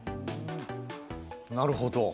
なるほど。